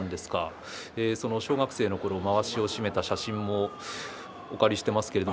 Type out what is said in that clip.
小学生のころまわしを締めた写真もお借りしています。